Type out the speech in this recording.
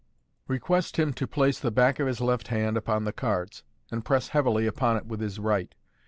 Request him to place the back of his left hand upon the cards, and press heavily upon it with his right.